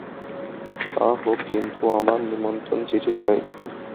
তা হোক, কিন্তু আমার নিমন্ত্রণ-চিঠি চাই।